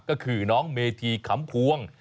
ก็คือน้องเมธีขำพวง